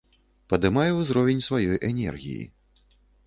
Падымае ўзровень сваёй энергіі.